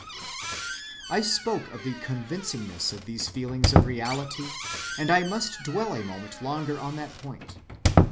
I spoke of the convincingness of these feelings of reality, and I must dwell a moment longer on that point.